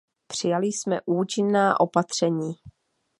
Přijali jsme účinná opatření.